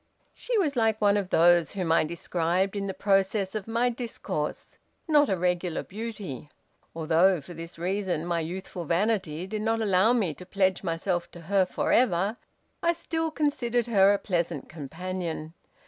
She was like one of those whom I described in the process of my discourse; not a regular beauty. Although for this reason my youthful vanity did not allow me to pledge myself to her forever, I still considered her a pleasant companion.